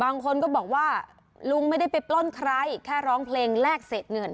บางคนก็บอกว่าลุงไม่ได้ไปปล้นใครแค่ร้องเพลงแลกเสร็จเงิน